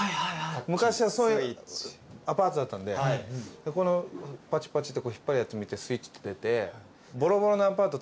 昔はそういうアパートだったんでパチパチって引っ張るやつ見てスイッチって出てボロボロのアパート